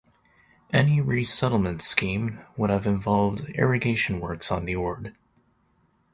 Any resettlement scheme would have involved irrigation works on the Ord.